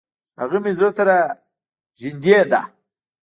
هغه مي زړه ته را نژدې ده .